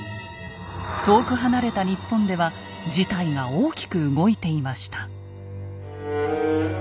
遠く離れた日本では事態が大きく動いていました。